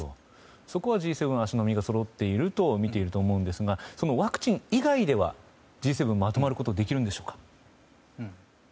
そこはＧ７は足並みがそろっていると見ていると思うんですがそのワクチン以外ではＧ７、まとまることできるんでしょうか。